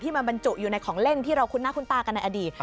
มันบรรจุอยู่ในของเล่นที่เราคุ้นหน้าคุ้นตากันในอดีต